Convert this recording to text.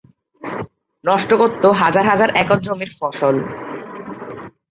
নষ্ট করতো হাজার হাজার একর জমির ফসল।